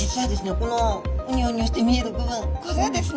このウニョウニョして見える部分これはですね